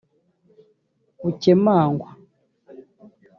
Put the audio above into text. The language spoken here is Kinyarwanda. bukemangwa